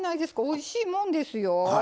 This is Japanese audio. おいしいもんですよ。